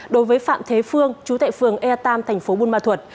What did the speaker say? đối với phạm thế phương chú tại phường e ba thành phố buôn ma thuật